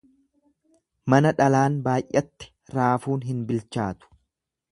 Mana dhalaan baay'atte raafuun hin bilchaatu.